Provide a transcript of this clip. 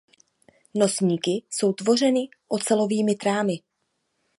Nosníky jsou tvořeny ocelovými trámy.